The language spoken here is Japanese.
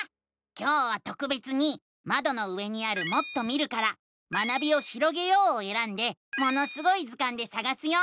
今日はとくべつにまどの上にある「もっと見る」から「学びをひろげよう」をえらんで「ものすごい図鑑」でさがすよ。